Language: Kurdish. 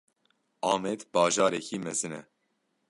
Amed bajarekî mezin e.